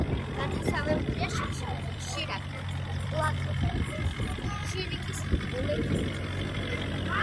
განთავსებულია შირაქის პლატოზე, შირაკის ოლქის ცენტრი.